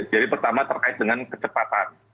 jadi pertama terkait dengan kecepatan